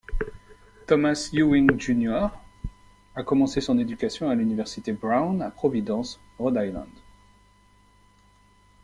Thomas Ewing, Jr., a commencé son éducation à l'Université Brown à Providence, Rhode Island.